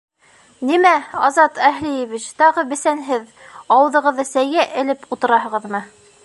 Нимә, Азат Әһлиевич, тағы бесәнһеҙ, ауыҙығыҙҙы сәйгә элеп ултыраһығыҙмы?